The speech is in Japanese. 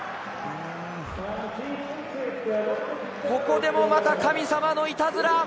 ここでもまた神様のいたずら！